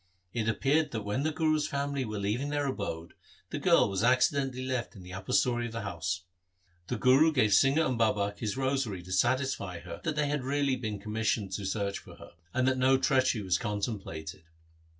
It appears that when the Guru's family were leaving their abode, the girl was acci dentally left in the upper story of the house. The Guru gave Singha and Babak his rosary to satisfy her that they had been really commissioned to search for her, and that no treachery was contem plated.